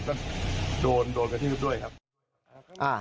แล้วก็ระงับเหตุก็โดนโดนกระทิบด้วยครับ